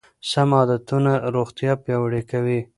سم عادتونه روغتیا پیاوړې کوي.